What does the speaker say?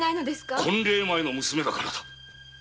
婚礼前の娘だからだ。